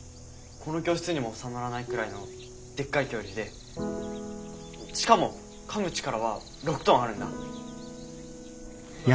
この教室にも収まらないくらいのでっかい恐竜でしかもかむ力は６トンあるんだ。